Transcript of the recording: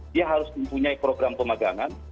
dia harus mempunyai program pemagangan